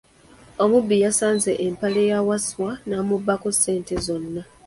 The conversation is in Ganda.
Omubbi yasaze empale ya Wasswa n’amubbako ssente zonn.